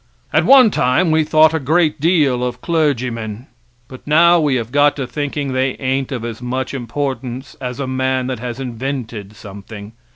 At one time we thought a great deal of clergymen, but now we have got to thinking they ain't of as much importance as a man that has invented something.